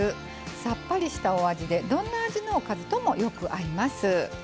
さっぱりしたお味でどんな味のおかずともよく合います。